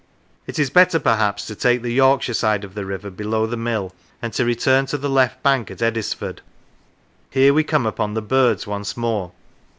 It is better, perhaps, to take the Yorkshire side of the river below the mill, and to return to the left bank at Eddisford. Here we come upon the birds once more.